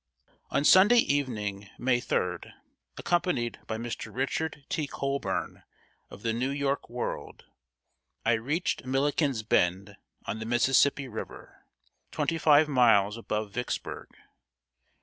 On Sunday evening, May 3d, accompanied by Mr. Richard T. Colburn, of The New York World, I reached Milliken's Bend, on the Mississippi River, twenty five miles above Vicksburg.